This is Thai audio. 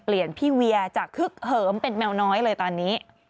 พี่เวียจากคึกเหิมเป็นแมวน้อยเลยตอนนี้